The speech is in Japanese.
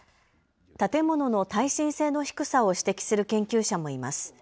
建物の耐震性の低さを指摘する研究者もいます。